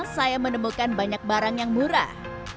saya menemukan banyak barang yang murah